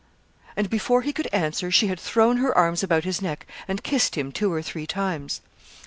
And before he could answer, she had thrown her arms about his neck and kissed him two or three times.